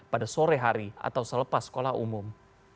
pada sore hari atau selepas sekolah umum